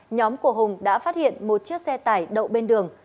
nhóm của hùng đã phát hiện một chiếc xe tải đậu bên đường